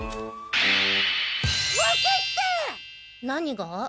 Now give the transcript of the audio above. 何が？